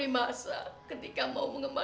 mas silakan ke rumah saya mas